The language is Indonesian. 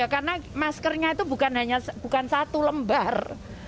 karena maskernya itu bukan satu lembar